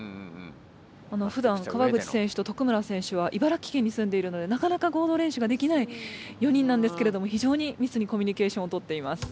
ふだん川口選手と徳村選手は茨城県に住んでいるのでなかなか合同練習ができない４人なんですけれどもひじょうにみつにコミュニケーションをとっています。